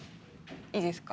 いいですか？